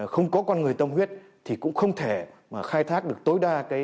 không có con người tâm huyết thì cũng không thể mà khai thác được tối đa